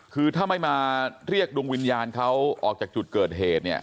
คือถ้าไม่มาเรียกดวงวิญญาณเขาออกจากจุดเกิดเหตุเนี่ย